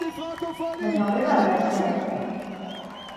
Baina horrela al da etxean ere?